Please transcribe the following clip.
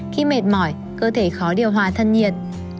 khi mệt mỏi cơ thể khó điều hòa thân nhiệt